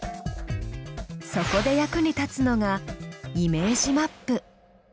そこで役に立つのがイメージマップ。